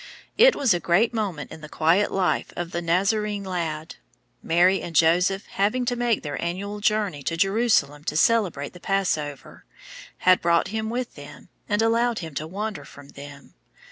It was a great moment in the quiet life of the Nazarene lad. Mary and Joseph having to make their annual journey to Jerusalem to celebrate the Passover, had brought him with them, and allowed him to wander from them.